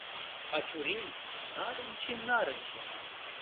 А чурий нарынче-нарынче.